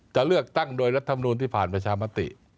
จะเลือกตั้งโดยรัฐมนูลที่ผ่านประชามติ